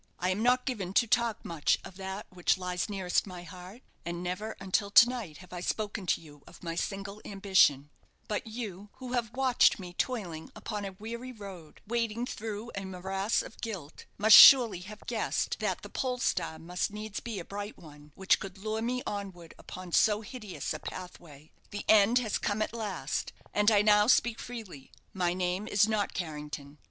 I am not given to talk much of that which lies nearest my heart, and never until to night have I spoken to you of my single ambition; but you, who have watched me toiling upon a weary road, wading through a morass of guilt, must surely have guessed that the pole star must needs be a bright one which could lure me onward upon so hideous a pathway. The end has come at last, and I now speak freely. My name is not Carrington.